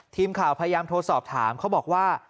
ทีมข่าวพยายามโทรสอบถามเขาบอกว่า